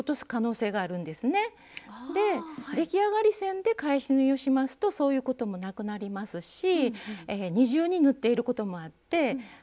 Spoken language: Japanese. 出来上がり線で返し縫いをしますとそういうこともなくなりますし二重に縫っていることもあってバッグの強度がアップします。